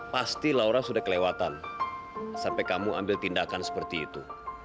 pasti laura sudah kelewatan sampai kamu ambil tindakan seperti itu